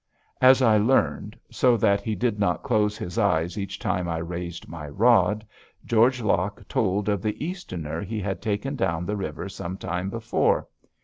As I learned, so that he did not close his eyes each time I raised my rod, George Locke told of the Easterner he had taken down the river some time before.